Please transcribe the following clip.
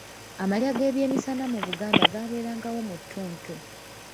Amalya g'ebyemisana mu Buganda gaaberangawo mu ttuntu.